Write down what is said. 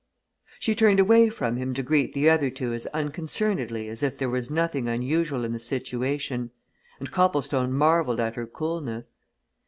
She turned away from him to greet the other two as unconcernedly as if there were nothing unusual in the situation, and Copplestone marvelled at her coolness.